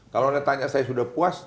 kalau ada yang tanya saya sudah puas